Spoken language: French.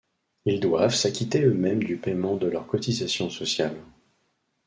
Ils doivent s'acquitter eux-mêmes du paiement de leurs cotisations sociales.